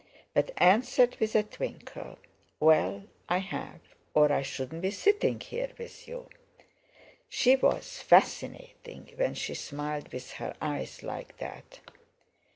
but answered with a twinkle: "Well, I have, or I shouldn't be sitting here with you." She was fascinating when she smiled with her eyes, like that!